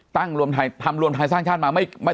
ตั้งรวมไทยทำรวมไทยสร้างชาติมาไม่